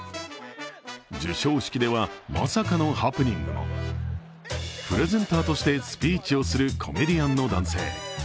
授賞式ではまさかのハプニングもプレゼンターとしてスピーチをするコメディアンの男性。